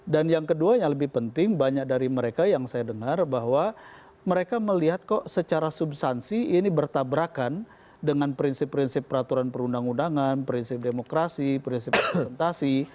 dan yang kedua yang lebih penting banyak dari mereka yang saya dengar bahwa mereka melihat kok secara subsansi ini bertabrakan dengan prinsip prinsip peraturan perundang undangan prinsip demokrasi prinsip representasi